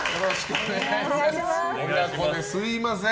親子ですみません。